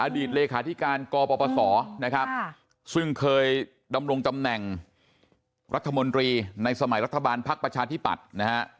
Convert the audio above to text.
ตเลขาธิการกปศนะครับซึ่งเคยดำรงตำแหน่งรัฐมนตรีในสมัยรัฐบาลภักดิ์ประชาธิปัตย์นะฮะ